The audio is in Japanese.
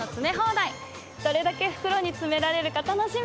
どれだけ袋に詰められるか楽しみ！